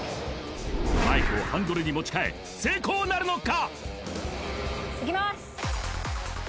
マイクをハンドルに持ち替え成功なるのか？